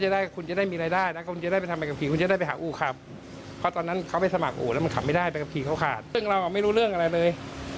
ตอนนี้ผมเดินร้อนมากกว่าคนอื่นเลย